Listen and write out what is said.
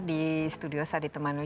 di studio saya ditemani